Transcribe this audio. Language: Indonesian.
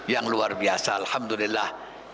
yang luar biasa alhamdulillah